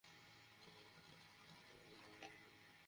আমরা খালি করবো কেন?